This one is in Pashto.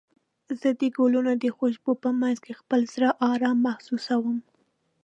زه د ګلونو د خوشبو په مینځ کې خپل زړه ارام محسوسوم.